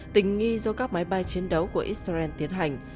tình nghi do các máy bay chiến đấu của israel tiến hành